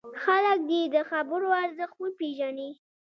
خلک دې د خبرو ارزښت وپېژني.